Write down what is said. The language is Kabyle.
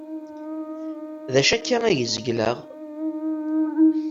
D acu akka ay zegleɣ?